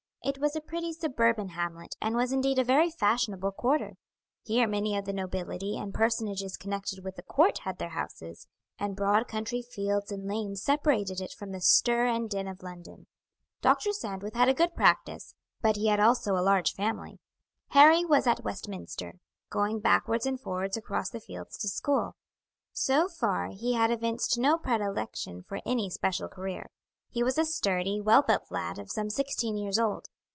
It was a pretty suburban hamlet, and was indeed a very fashionable quarter. Here many of the nobility and personages connected with the court had their houses, and broad country fields and lanes separated it from the stir and din of London. Dr. Sandwith had a good practice, but he had also a large family. Harry was at Westminster, going backwards and forwards across the fields to school. So far he had evinced no predilection for any special career. He was a sturdy, well built lad of some sixteen years old.